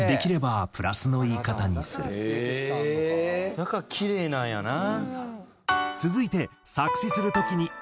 だからきれいなんやなあ。